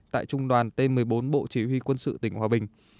tại trung đoàn t một mươi bốn bộ chỉ huy quân sự tỉnh hòa bình